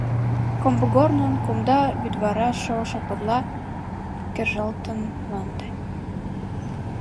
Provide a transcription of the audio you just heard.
Комбыгорнын кумда вӱдвараш шолшо подла кержалтын Мланде.